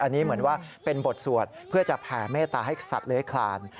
อันนี้เหมือนว่าเป็นบทสวดเพื่อจะแผ่เมตตาให้สัตว์เลื้อยคลาน